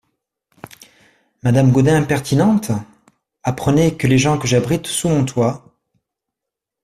Madame Gaudin Impertinente ! apprenez que les gens que j'abrite sous mon toit …